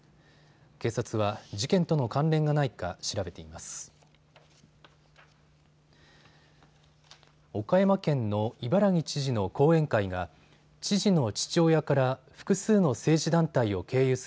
警察は事件との関連がないか調べています。